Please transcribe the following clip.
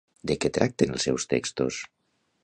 De què tracten els seus textos?